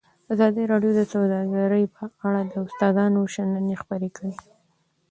ازادي راډیو د سوداګري په اړه د استادانو شننې خپرې کړي.